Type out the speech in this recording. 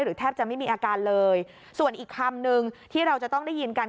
แทบจะไม่มีอาการเลยส่วนอีกคำนึงที่เราจะต้องได้ยินกัน